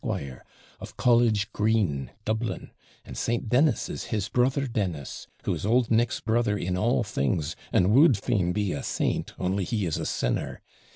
of College Green, Dublin, and St. Dennis is his brother Dennis, who is old Nick's brother in all things, and would fain be a saint, only he is a sinner.